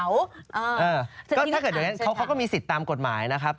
ถ้าเกิดอย่างนั้นเขาก็มีสิทธิ์ตามกฎหมายนะครับ